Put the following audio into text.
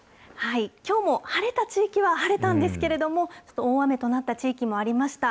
きょうも晴れた地域は晴れたんですけれども、ちょっと大雨となった地域もありました。